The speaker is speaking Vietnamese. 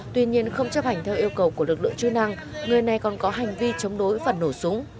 tuy nhiên không chấp hành theo yêu cầu của lực lượng chư năng người này còn có hành vi chống đối phần nổ súng